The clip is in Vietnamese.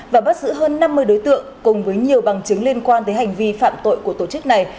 và bắt giữ hơn năm mươi đối tượng cùng với nhiều bằng chứng liên quan tới hành vi phạm tội của tổ chức này